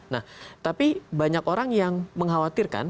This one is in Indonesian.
nah tapi banyak orang yang mengkhawatirkan